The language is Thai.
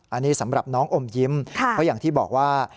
อันนี้สำหรับน้องอมยิ้มเพราะอย่างที่บอกว่า